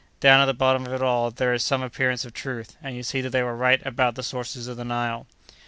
Down at the bottom of it all there is some appearance of truth; and you see that they were right about the sources of the Nile."